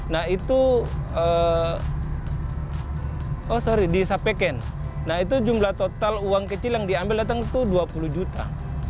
nah itu jumlah total uang kecil yang diambil datang itu dua puluh juta